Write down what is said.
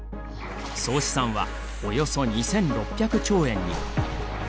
総資産はおよそ２６００兆円に。